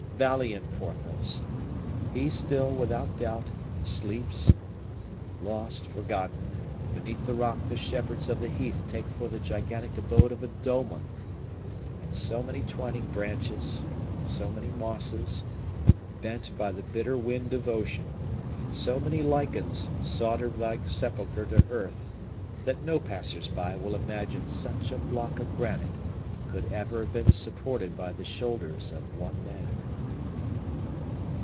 Valiant Porthos! he still, without doubt, sleeps, lost, forgotten, beneath the rock the shepherds of the heath take for the gigantic abode of a dolmen. And so many twining branches, so many mosses, bent by the bitter wind of ocean, so many lichens solder thy sepulcher to earth, that no passers by will imagine such a block of granite could ever have been supported by the shoulders of one man.